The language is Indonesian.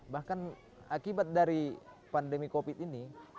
bahkan akibat dari pandemi covid sembilan belas ini